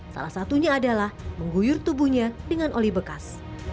salah satunya adalah mengguyur tubuhnya dengan oli bekas